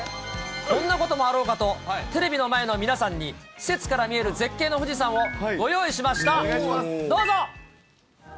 こんなこともあろうかと、テレビの前の皆さんに、施設から見える絶景の富士山をご用意しました。